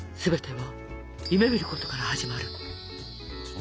は！